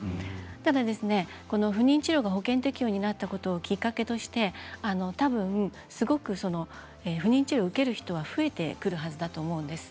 ただ不妊治療が保険適用になったことをきっかけとしてたぶん、すごく不妊治療を受ける人は増えてくるはずだと思うんです。